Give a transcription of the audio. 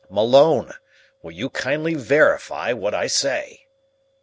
Malone, will you kindly verify what I say?